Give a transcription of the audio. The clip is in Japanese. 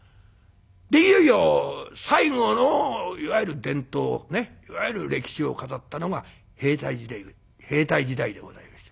いよいよ最後のいわゆる伝統いわゆる歴史を飾ったのが兵隊時代でございまして。